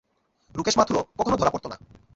রাকেশ মাথুরও কখনো ধরা পড়তো না।